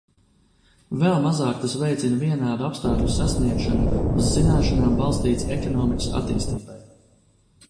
Vēl mazāk tas veicina vienādu apstākļu sasniegšanu uz zināšanām balstītas ekonomikas attīstībai.